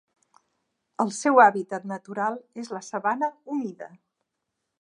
El seu hàbitat natural és la sabana humida.